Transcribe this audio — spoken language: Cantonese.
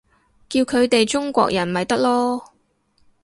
叫佢哋中國人咪得囉